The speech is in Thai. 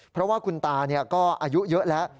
เพราะว่าคุณตาก็อายุเยอะแล้ว